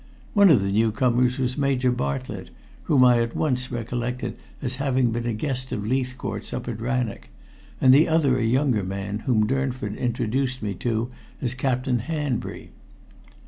One of the newcomers was Major Bartlett, whom I at once recollected as having been a guest of Leithcourt's up at Rannoch, and the other a younger man whom Durnford introduced to me as Captain Hanbury.